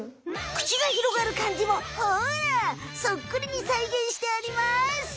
口がひろがるかんじもほらそっくりに再現してあります。